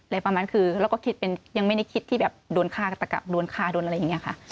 ประมาณคือเราก็คิดเป็นยังไม่ได้คิดที่แบบโดนฆ่ากระตะกะโดนฆ่าโดนอะไรอย่างนี้ค่ะ